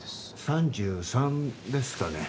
３３ですかね